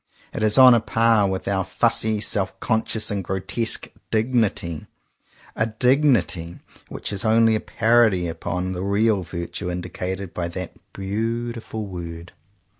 It is on a par with our fussy self consciousness and grotesque "dig nity;" a dignity which is only a parody upon the real virtue indicated by that beautiful word.